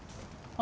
あ！